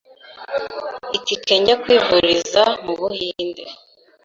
iti ke njya kwivuriza mu buhinde